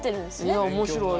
いや面白い。